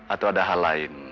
atau ada hal lain